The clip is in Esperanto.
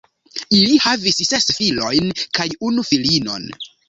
Ili havis ses filojn kaj unu filinon.